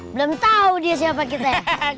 belum tahu dia siapa kita ya